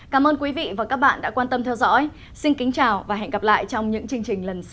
cảm ơn quý vị và các bạn đã quan tâm theo dõi xin kính chào và hẹn gặp lại trong những chương trình lần sau